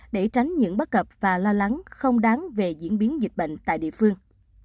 để tránh những bất cập và lo lắng không đáng về diễn biến dịch bệnh tại địa phương